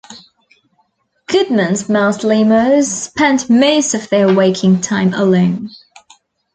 Goodman's mouse lemurs spend most of their waking time alone.